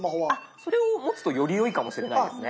それを持つとより良いかもしれないですね。